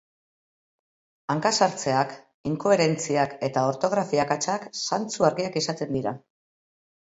Hanka-sartzeak, inkoherentziak eta ortografia akatsak zantzu argiak izaten dira.